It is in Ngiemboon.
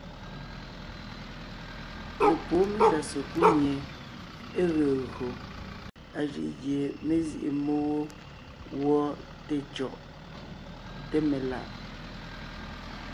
Lepwóon mendá sekúd mie é ge gÿo a jʉʼ gie mé zîʼi mmó wó gwɔ té cyɔ̀ʼ, té melà’.